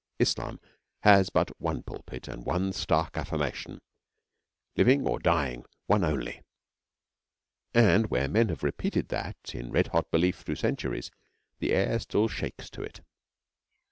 Islam has but one pulpit and one stark affirmation living or dying, one only and where men have repeated that in red hot belief through centuries, the air still shakes to it.